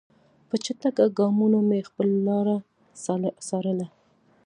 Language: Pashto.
په چټکو ګامونو مې خپله لاره څارله.